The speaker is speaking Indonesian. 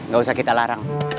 gak usah kita larang